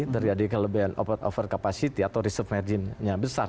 terjadi kelebihan over capacity atau reserve margin yang besar